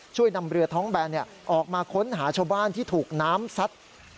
นำเรือท้องแบนออกมาค้นหาชาวบ้านที่ถูกน้ำซัด